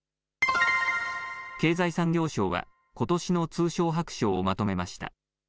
経済産業省はことしの通商白書をまとめました。